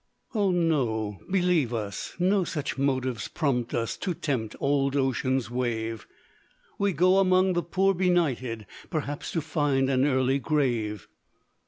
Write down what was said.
"Oh, no! believe us, no such motives Prompt us to tempt old ocean's wave; We go among the poor benighted, Perhaps to find an early grave.